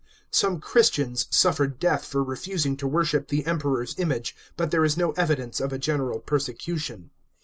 Some Christians suffered death for refusing to worship the Emperor's image, but there is no evidence of a general persecution.